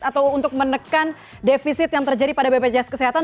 atau untuk menekan defisit yang terjadi pada bpjs kesehatan